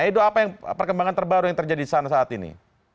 edo apa perkembangan terbaru yang terjadi di sana saat ini